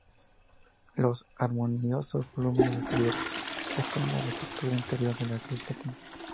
Los armoniosos volúmenes exteriores responden a la estructura interior de cruz latina.